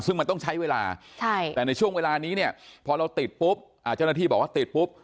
ซึ่งมันต้องใช้เวลาแต่ในช่วงเวลานี้พอเราติดปุ๊บอาทิตย์บอกว่าติดปุ๊บ